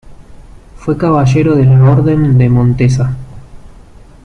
Fue caballero de la Orden de Montesa.